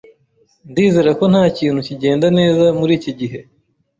Ndizera ko ntakintu kigenda neza muriki gihe.